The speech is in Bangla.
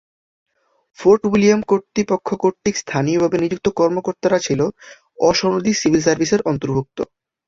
ফোর্ট উইলিয়ম কর্তৃপক্ষ কর্তৃক স্থানীয়ভাবে নিযুক্ত কর্মকর্তারা ছিল অ-সনদী সিভিল সার্ভিসের অন্তর্ভুক্ত।